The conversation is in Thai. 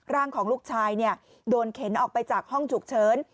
ร่างของลูกชายโดนเข็นออกไปจากห้องฉุกเฉิน